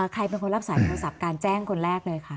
ใครเป็นคนรับสายโทรศัพท์การแจ้งคนแรกเลยค่ะ